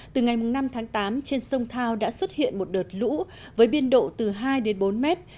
từ ngày năm tháng tám trên sông thao đã xuất hiện một đợt lũ với biên độ từ hai đến bốn mét